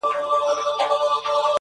پرته له جنګه نور نکلونه لرې؟!!